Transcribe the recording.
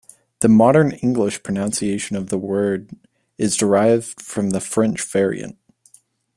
The modern English pronunciation of the word is derived from the French variant.